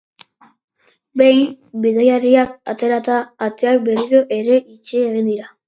Behin bidaiariak aterata, ateak berriro ere itxi egin dira.